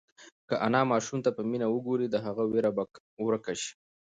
که انا ماشوم ته په مینه وگوري، د هغه وېره به ورکه شي.